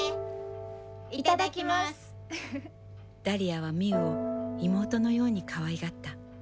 あはみうを妹のようにかわいがった。